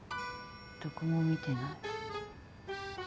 どこも見てない。